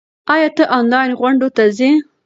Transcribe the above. ایا ته آنلاین غونډو ته ځې؟